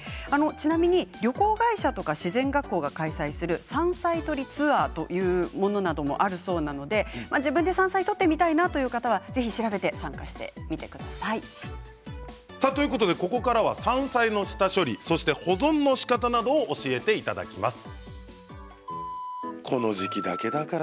ちなみに旅行会社とか自然学校が開催する山菜採りツアーはというものなどもあるそうなので自分で山菜を採ってみたいなという方はぜひ調べてここからは山菜の下処理そして保存のしかたなどを教えていただきます。